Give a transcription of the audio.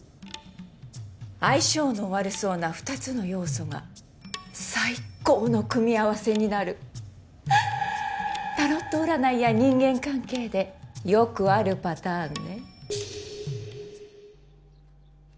相性の悪そうな二つの要素が最高の組み合わせになるタロット占いや人間関係でよくあるパターンね